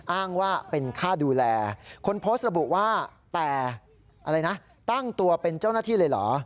อ้างว่าเป็นค่าดูแลคนโพสต์ระบุว่าแต่อะไรนะตั้งตัวเป็นเจ้าหน้าที่เลยเหรอ